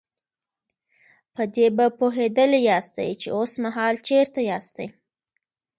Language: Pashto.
په دې به پوهېدلي ياستئ چې اوسمهال چېرته ياستئ.